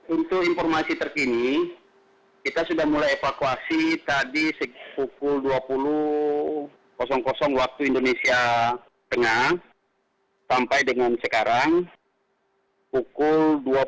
untuk informasi terkini kita sudah mulai evakuasi tadi pukul dua puluh waktu indonesia tengah sampai dengan sekarang pukul dua puluh